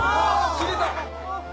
切れた！